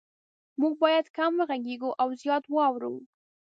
مونږ باید کم وغږیږو او زیات واورو